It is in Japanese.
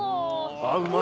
あっうまい。